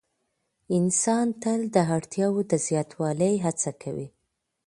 انسان تل د اړتیاوو د زیاتوالي هڅه کوي.